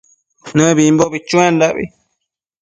Nëbimbo chuendabi